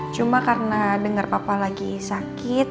cuma karena dengar papa lagi sakit